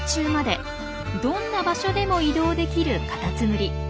どんな場所でも移動できるカタツムリ。